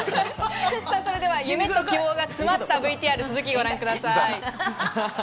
それでは夢と希望が詰まったＶＴＲ、ご覧ください。